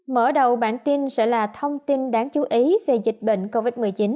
mở đầu bản tin sẽ là thông tin đáng chú ý về dịch bệnh covid một mươi chín